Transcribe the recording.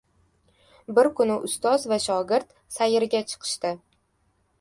Bir kuni ustoz va shogird sayrga chiqishdi.